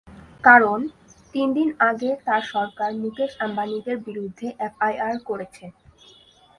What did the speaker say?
কারণ, তিন দিন আগে তাঁর সরকার মুকেশ আম্বানিদের বিরুদ্ধে এফআইআর করেছে।